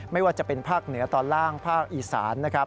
ไม่ว่าจะเป็นภาคเหนือตอนล่างภาคอีสานนะครับ